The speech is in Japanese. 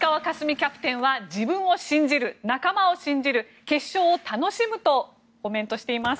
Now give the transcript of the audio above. キャプテンは自分を信じる仲間を信じる決勝を楽しむとコメントしています。